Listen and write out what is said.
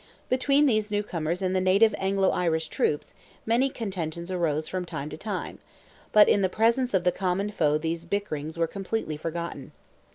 Between these new comers and the native Anglo Irish troops many contentions arose from time to time, but in the presence of the common foe these bickerings were completely forgotten.